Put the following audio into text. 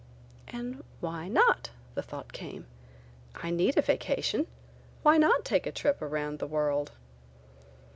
"And why not?" the thought came: "I need a vacation; why not take a trip around the world?"